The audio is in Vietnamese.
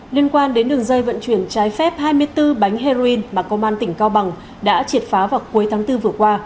liên quan đến đường dây vận chuyển trái phép hai mươi bốn bánh heroin mà công an tỉnh cao bằng đã triệt phá vào cuối tháng bốn vừa qua